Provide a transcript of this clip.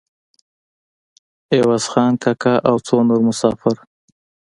عوض خان کاکا او څو نور مسافر.